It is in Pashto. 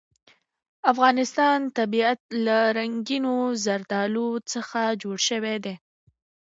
د افغانستان طبیعت له رنګینو زردالو څخه جوړ شوی دی.